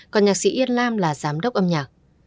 còn nhạc sĩ yên lam là giám đốc âm nhạc